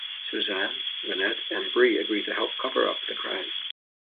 Susan, Lynette, and Bree agree to help cover up the crime.